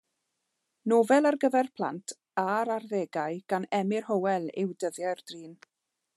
Nofel ar gyfer plant a'r arddegau gan Emyr Hywel yw Dyddiau'r Drin.